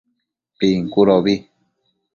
Bincudobi